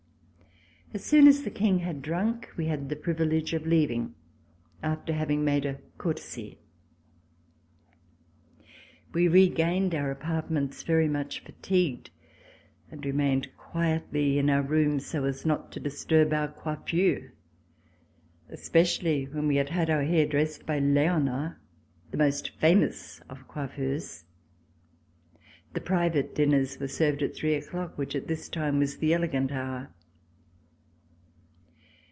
As soon as the King had drunk, we had the privilege of leaving, after having made a courtesy. C50] MARRIAGE, PRESENTATION AT COURT We regained our appartements very much fatigued, and remained quietly in our rooms, so as not to dis arrange our coiffures, especially when we had had our hair dressed by Leonard, the most famous of coiffeurs. The private dinners were served at three o'clock which, at this time, was the elegant hour.